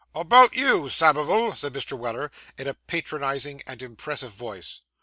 'About you, Samivel,' said Mr. Weller, in a patronising and impressive voice.